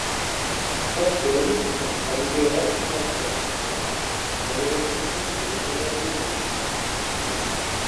Clapton, arrivé rapidement après l'accident, en est resté prostré pendant des mois.